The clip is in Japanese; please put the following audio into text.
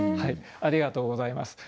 ありがとうございます。